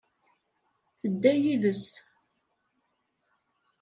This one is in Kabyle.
Tedda yid-s.